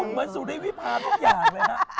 คุณเหมือนสุริวิภาทุกอย่างเลยนะ